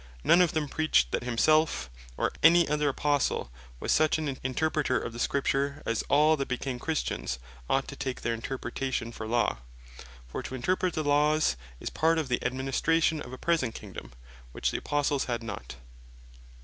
None of them preached that himselfe, or any other Apostle was such an Interpreter of the Scripture, as all that became Christians, ought to take their Interpretation for Law. For to Interpret the Laws, is part of the Administration of a present Kingdome; which the Apostles had not.